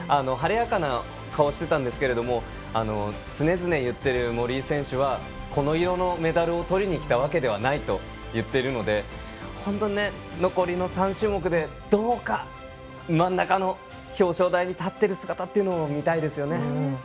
晴れやかな顔をしていたんですが常々、言っている森井選手はこの色のメダルをとりにきたわけではないと言っているので本当、残りの３種目でどうか表彰台の真ん中に立っている姿というのを見たいですね。